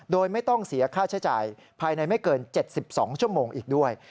โดยไม่ต้องเสียค่าใช้จ่ายภายในไม่เกิน๗๒ชั่วโมงอีกด้วย